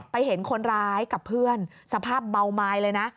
เห็นคนร้ายกับเพื่อนสภาพเมาไม้เลยนะ